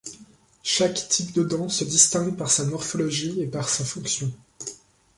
Chaque type de dent se distingue par sa morphologie et par sa fonction.